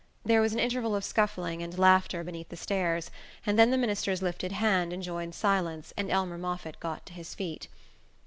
There was an interval of scuffling and laughter beneath the stairs, and then the minister's lifted hand enjoined silence and Elmer Moffatt got to his feet.